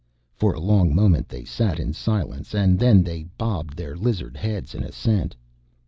For a long moment they sat in silence and then they bobbed their lizard heads in assent.